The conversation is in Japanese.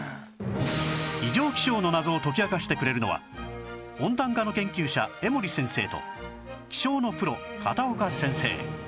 異常気象の謎を解き明かしてくれるのは温暖化の研究者江守先生と気象のプロ片岡先生